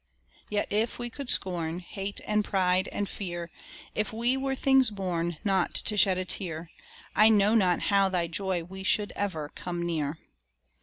Yet, if we could scorn, Hate and pride, and fear; If we were things born Not to shed a tear, I know not how thy joy we ever should come near.